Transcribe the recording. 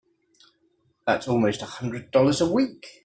That's almost a hundred dollars a week!